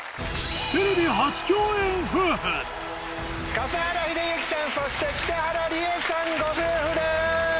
笠原秀幸さんそして北原里英さんご夫婦です。